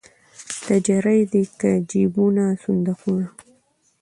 تجرۍ دي که جېبونه صندوقونه